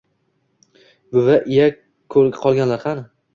Buvi: iye kolganlar kani